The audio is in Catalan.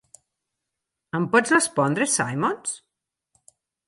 Em pots respondre, Simmons?